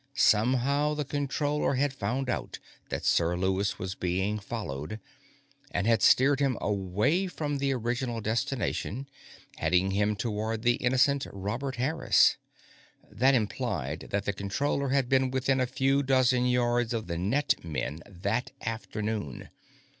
Somehow, the Controller had found out that Sir Lewis was being followed, and had steered him away from the original destination, heading him toward the innocent Robert Harris. That implied that the Controller had been within a few dozen yards of the net men that afternoon.